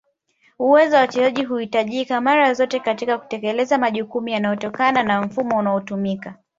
Uwezo wa wachezaji huhitajika mara zote katika kutekeleza majukumu yanayotokana na mfumo unaotumika